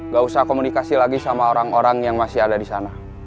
gak usah komunikasi lagi sama orang orang yang masih ada di sana